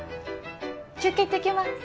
休憩行ってきます。